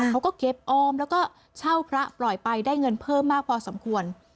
เขาก็เก็บออมแล้วก็เช่าพระปล่อยไปได้เงินเพิ่มมากพอสมควร